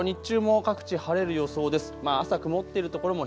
その後、日中も各地晴れる予想です。